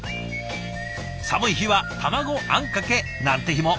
寒い日は卵あんかけなんて日も。